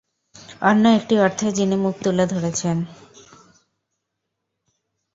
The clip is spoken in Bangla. অন্য একটি অর্থে, যিনি মুখ তুলে ধরেছেন।